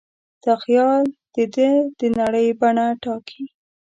دا خیال د ده د نړۍ بڼه ټاکي.